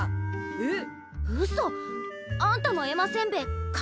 えっ？